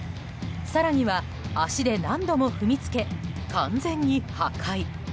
更には、足で何度も踏みつけ完全に破壊。